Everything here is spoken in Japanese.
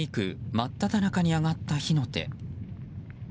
真っただ中に上がった火の手。